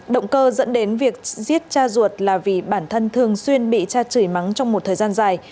động cơ dẫn đến việc giết cha ruột là vì bản thân thường xuyên bị cha chửi mắng trong một thời gian dài